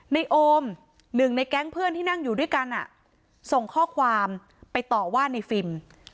โอมหนึ่งในแก๊งเพื่อนที่นั่งอยู่ด้วยกันส่งข้อความไปต่อว่าในฟิล์ม